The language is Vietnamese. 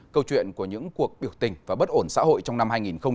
câu chuyện của những cuộc biểu tình và bất ổn xã hội trong năm hai nghìn một mươi chín